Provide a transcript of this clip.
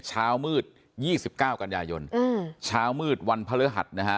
เช้ามืดยี่สิบเก้ากันยายนอืมเช้ามืดวันพระฤหัสนะฮะ